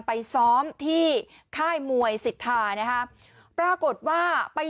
ไปซ้อมที่ค่ายมวยสิทธานะฮะปรากฏว่าไป